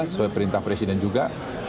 sebagai perintah presiden juga